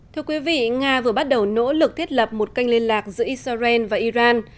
thưa quý vị nga vừa bắt đầu nỗ lực thiết lập một kênh liên lạc giữa israel và iran